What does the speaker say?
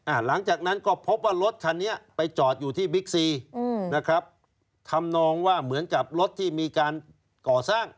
หลังจากนั้นก็พบว่ารถคันนี้ไปจอดอยู่ที่บิ๊กซีอืมนะครับทำนองว่าเหมือนกับรถที่มีการก่อสร้าง